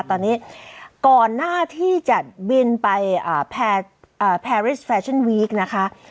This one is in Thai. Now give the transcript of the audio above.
ตอนนี้ก่อนหน้าที่จะบินไปแพรริสแฟชั่นวีคนะคะ